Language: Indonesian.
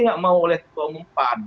nggak mau oleh ketua umum pan